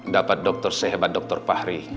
dapat dokter sehebat dokter fahri